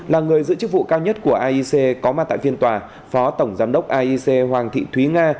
là người giữ chức vụ cao nhất của iec có mặt tại viên tòa phó tổng giám đốc iec hoàng thị thúy nga